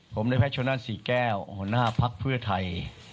ผมนายแพทย์ชนานสี่แก้วหัวหน้าภักดิ์เพื่อไทย